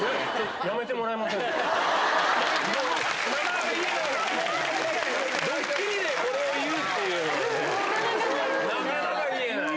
なかなか言えない。